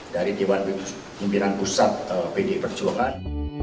dari dewan pemirsaan pusat pd perjuangan